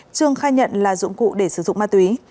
trương khai nhận là dụng cụ để sử dụng ma túy